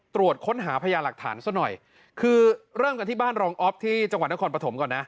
ต้องกันที่บ้านรองออฟที่จังหวัดนครปฐมก่อนนะ